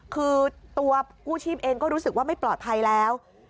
คือตัวกู้ชีพเองก็รู้สึกว่าไม่ปลอดภัยแล้ว